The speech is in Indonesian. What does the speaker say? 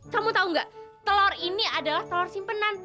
kamu tau gak telor ini adalah telor simpenan